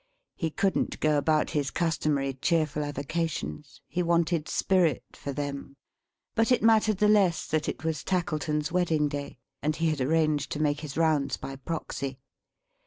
He couldn't go about his customary cheerful avocations; he wanted spirit for them; but it mattered the less, that it was Tackleton's wedding day, and he had arranged to make his rounds by proxy.